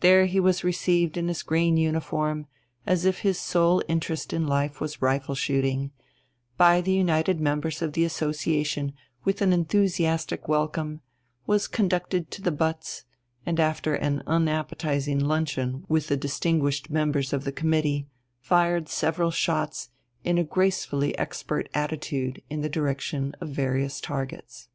Here he was received in his green uniform, as if his sole interest in life was rifle shooting, by the united members of the association with an enthusiastic welcome, was conducted to the butts, and, after an unappetizing luncheon with the distinguished members of the committee, fired several shots in a gracefully expert attitude in the direction of various targets.